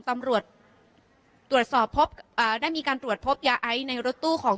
ตำรวจตรวจสอบพบอ่าได้มีการตรวจพบยาไอในรถตู้ของ